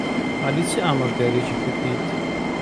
عەلی چ ئامۆژگارییەکی کردیت؟